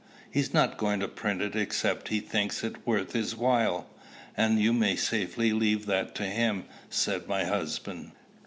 "He's not going to print it except he thinks it worth his while; and you may safely leave that to him," said my husband.